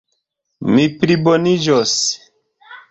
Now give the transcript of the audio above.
Mi pliboniĝos.